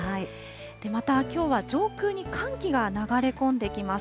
またきょうは、上空に寒気が流れ込んできます。